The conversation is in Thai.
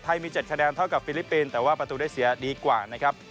มี๗คะแนนเท่ากับฟิลิปปินส์แต่ว่าประตูได้เสียดีกว่านะครับ